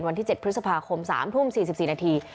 วันที่๗พฤษภาคม๓ทุ่ม๔๔นาที